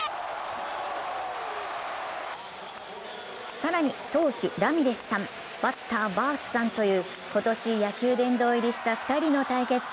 更に投手・ラミレスさんバッター・バースさんという今年、野球殿堂入りした２人の対決。